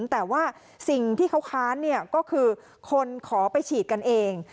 แต่ว่าสิ่งที่เขาค้านก็คือคนขอไปฉีดกันเอง